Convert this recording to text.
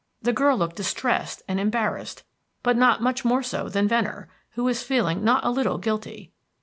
The girl looked distressed and embarrassed, but not much more so than Venner, who was feeling not a little guilty.